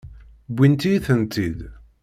Wwint-iyi-tent-id.